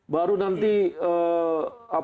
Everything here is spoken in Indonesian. baru nanti pertamina